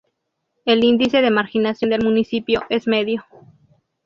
El índice de marginación del municipio es medio.